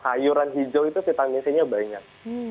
sayuran hijau itu vitamin c nya banyak